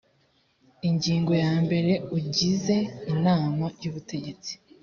ingingo ya mbere ugize inama y ubutegetsi